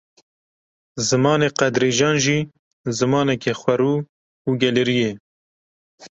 Zimanê Qedrîcan jî, zimanekî xwerû û gelêrî ye